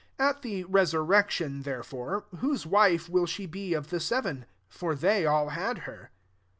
28 At the resurrection, bereforc, whose wife will she e of the seven ? for they all lad her."